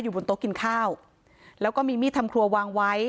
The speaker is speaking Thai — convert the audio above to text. บนโต๊ะกินข้าวแล้วก็มีมีดทำครัววางไว้